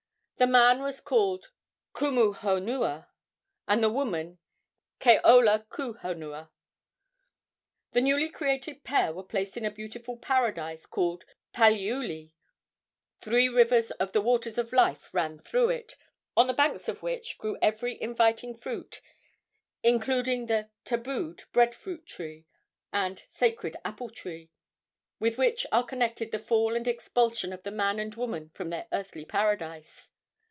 The man was called Kumu honua, and the woman Ke ola ku honua. The newly created pair were placed in a beautiful paradise called Paliuli. Three rivers of "the waters of life" ran through it, on the banks of which grew every inviting fruit, including the "tabued bread fruit tree" and "sacred apple tree," with which are connected the fall and expulsion of the man and woman from their earthly paradise.